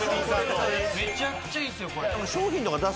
めちゃくちゃいいっすよこれ。